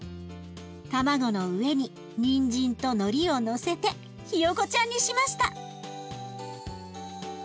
卵の上ににんじんとのりをのせてヒヨコちゃんにしました。